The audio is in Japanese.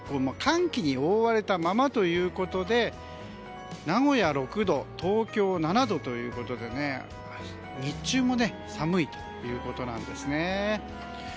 寒気に覆われたままということで名古屋、６度東京、７度ということで日中も寒いということですね。